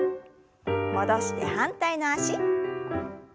戻して反対の脚。